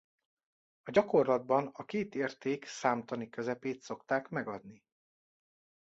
A gyakorlatban a két érték számtani közepét szokták megadni.